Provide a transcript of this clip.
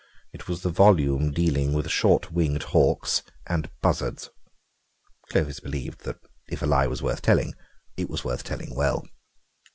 It was the volume dealing with short winged hawks and buzzards." Clovis believed that if a lie was worth telling it was worth telling well.